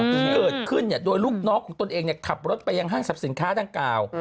ที่เกิดขึ้นด้วยลูกน้องของตัวเองเนี่ยขับรถไปยังห้างทรัพย์สินค้าด้านก่าว